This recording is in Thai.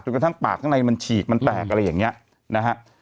กระทั่งปากข้างในมันฉีกมันแตกอะไรอย่างนี้นะฮะ